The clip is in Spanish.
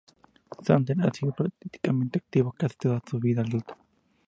Sanders ha sido políticamente activo casi toda su vida adulta.